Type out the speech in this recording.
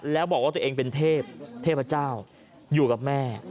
แล้วบอกว่าตัวเองเป็นเทพเทพเจ้าอยู่กับแม่